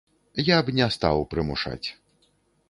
Я б не стаў прымушаць.